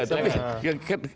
udah sih jawab nih